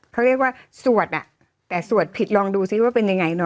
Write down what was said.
เขาเรียกว่าสวดแต่สวดผิดลองดูซิว่าเป็นยังไงเนอ